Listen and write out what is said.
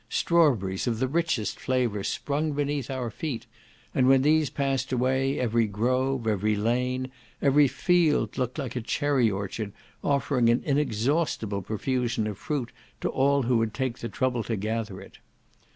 Strawberries of the richest flavour sprung beneath our feet; and when these past away, every grove, every lane, every field looked like a cherry orchard, offering an inexhaustible profusion of fruit to all who would take the trouble to gather it.